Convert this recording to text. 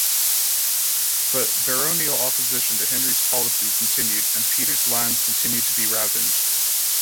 But baronial opposition to Henry's policies continued, and Peter's lands continued to be ravaged.